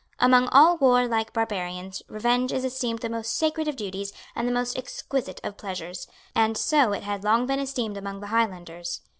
Among all warlike barbarians revenge is esteemed the most sacred of duties and the most exquisite of pleasures; and so it had long been esteemed among the Highlanders.